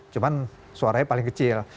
cuma suaranya paling kecil